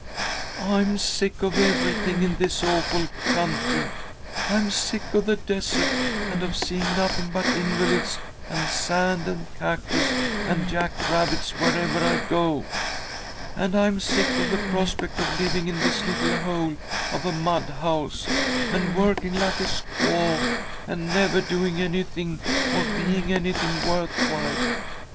"I'm sick of everything in this awful country! I'm sick of the desert, and of seeing nothing but invalids and sand and cactus and jack rabbits wherever I go. And I'm sick of the prospect of living in this little hole of a mud house, and working like a squaw, and never doing anything or being anything worth while.